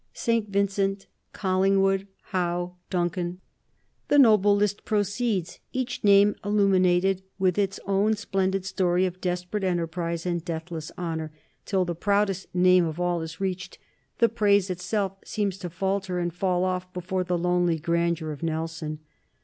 St. Vincent, Collingwood, Howe, Duncan, the noble list proceeds, each name illuminated with its only splendid story of desperate enterprise and deathless honor, till the proudest name of all is reached, and praise itself seems to falter and fall off before the lonely grandeur of Nelson.